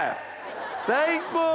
最高！